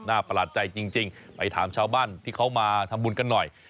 ประหลาดใจจริงไปถามชาวบ้านที่เขามาทำบุญกันหน่อย